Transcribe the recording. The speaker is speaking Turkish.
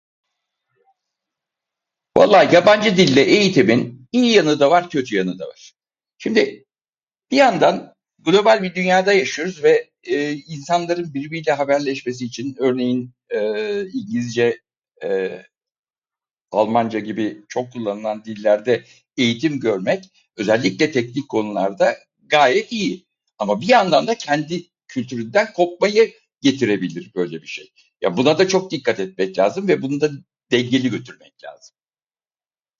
Vallaha, yabancı dilde eğitimin iyi yanı da var, kötü yanı da var. Şimdi, bir yandan global bir dünyada yaşıyoruz ve, ee, insanların birbiriyle haberleşmesi için, örneğin ee, İngilizce, ee, Almanca gibi çok kullanılan dillerde eğitim görmek, özellikle teknik konularda gayet iyi. Ama bir yandan da kendi kültüründen kopmayı getirebilir, böyle bir şey. Yani buna da çok dikkat etmek lazım ve bunu da dengeli götürmek lazım.